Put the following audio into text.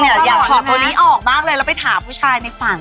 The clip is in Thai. แล้วจริงเนี่ยอยากถอดตัวนี้ออกมากเลยแล้วไปถาผู้ชายในฝัน